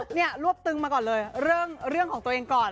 เนี่ยรวบตึงมาก่อนเลยเรื่องของตัวเองก่อน